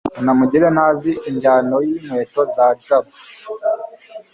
kanamugire ntazi ingano yinkweto za jabo